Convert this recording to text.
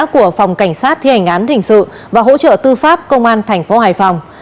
của phòng cảnh sát thi hành án hình sự và hỗ trợ tư pháp công an thành phố hải phòng